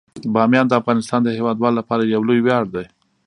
بامیان د افغانستان د هیوادوالو لپاره یو لوی ویاړ دی.